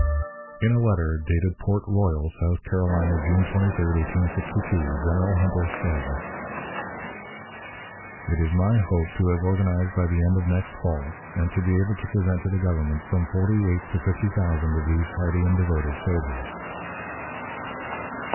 In a letter, dated Port Royal, South Carolina, June 23, 1862, General Hunter said: "It is my hope to have organized by the end of next fall, and to be able to present to the Government, from forty eight to fifty thousand of these hardy and devoted soldiers."